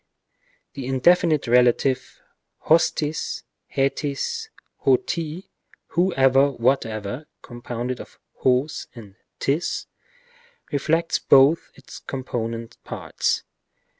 The indefinite relative ὅστις, ἥτις, ὅ τι, whoever, whatever, (com pounded of és and 7is,) inflects both its component parts.